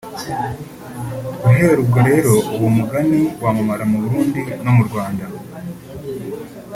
Guhera ubwo rero uwo mugani wamamara mu Burundi no mu Rwanda